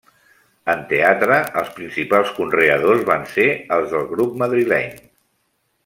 En teatre, els principals conreadors van ser els del grup madrileny.